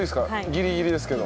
ギリギリですけど。